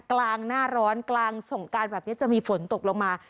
กลางหน้าร้อนกลางสงการแบบนี้จะมีฝนตกลงมา